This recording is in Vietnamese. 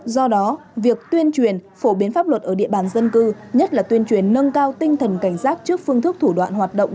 do đó việc tuyên truyền phổ biến pháp luật ở địa bàn dân cư nhất là tuyên truyền nâng cao tinh thần cảnh giác trước phương thức thủ đoạn hoạt động